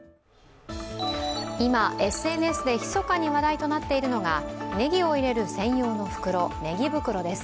今、ＳＮＳで密かに話題となっているのがねぎを入れる専用の袋、ねぎ袋です。